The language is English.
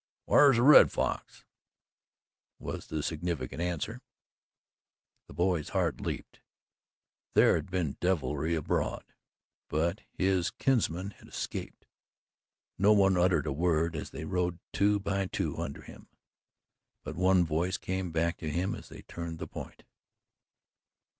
"Whar's the Red Fox?" was the significant answer. The boy's heart leaped. There had been deviltry abroad, but his kinsmen had escaped. No one uttered a word as they rode two by two, under him, but one voice came back to him as they turned the point.